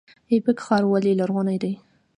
ایبک ښار ولې لرغونی دی؟